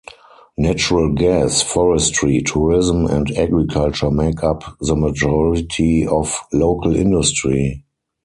Natural gas, forestry, tourism and agriculture make up the majority of local industry.